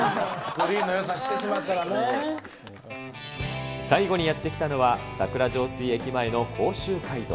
グリーンのよさ知ってしまっ最後にやって来たのは、桜上水駅前の甲州街道。